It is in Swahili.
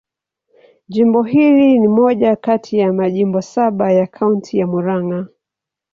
Jimbo hili ni moja kati ya majimbo saba ya Kaunti ya Murang'a.